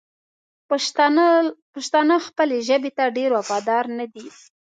پښتانه خپلې ژبې ته ډېر وفادار ندي!